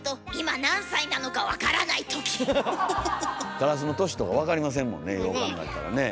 カラスの年とか分かりませんもんねよう考えたらねえ。